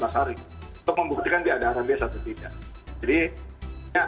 untuk membuktikan di ada arah biasa atau tidak